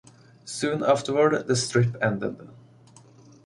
Soon afterward the strip ended.